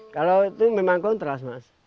kalau itu memang kontras mas